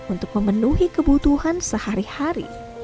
untuk memenuhi kebutuhan sehari hari